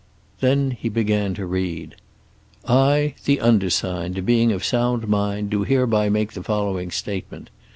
Then he began to read. "I, the undersigned, being of sound mind, do hereby make the following statement.